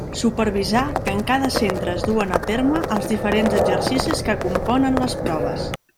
Supervisar que en cada centre es duen a terme els diferents exercicis que componen les proves.